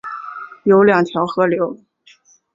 有二条河流